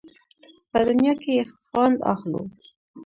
په دنیا کې یې خوند اخلو.